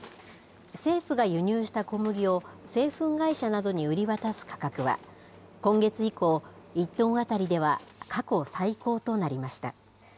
政府が輸入した小麦を製粉会社などに売り渡す価格は、今月以降、１トン当たりでは過去最高となりました。